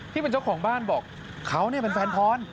ที่เป็นเจ้าของบ้านบอกเขาเป็นแฟนพร